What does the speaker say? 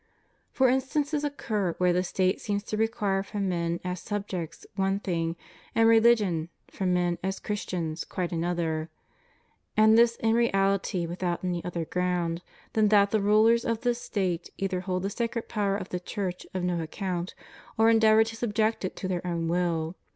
For instances occur where the State seems to require from men as subjects one thing, and religion, from men as Chris tians, quite another; and this in reality without any other ground, than that the rulers of the State either hold the sacred power of the Church of no account, or endeavor to subject it to their own will.